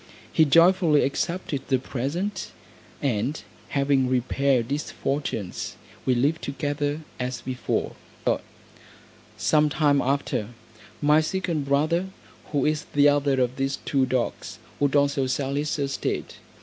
He joyfully accepted the present, and having repaired his fortunes, we lived together, as before. Some time after, my second brother, who is the other of these two dogs, would also sell his estate.